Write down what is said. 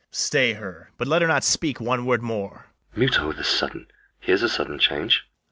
Stay her, but let her not speak one word more. LODOWICK. Mute o' the sudden! here's a sudden change.